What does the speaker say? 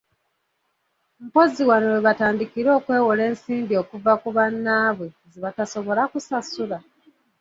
Mpozzi wano we batandikira okwewola ensimbi okuva ku bannaabwe zebatasobola kusasula!